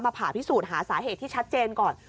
ผ่าพิสูจน์หาสาเหตุที่ชัดเจนก่อน